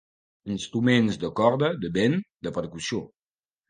Instruments de corda, de vent, de percussió.